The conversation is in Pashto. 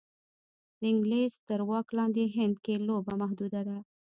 د انګلیس تر واک لاندې هند کې لوبه محدوده ده.